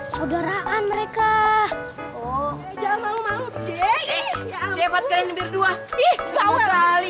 saudaraan mereka oh jangan malu malu deh cepat kalian berdua ih mau kali